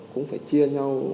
cũng phải chia nhau